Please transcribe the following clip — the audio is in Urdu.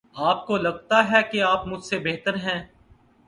آپ کو لگتا ہے کہ آپ مجھ سے بہتر ہیں۔